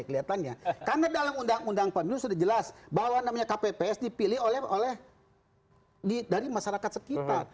karena dalam undang undang pemilu sudah jelas bahwa kpps dipilih dari masyarakat sekitar